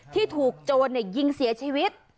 ที่ถูกโจรยิงเสียชีวิต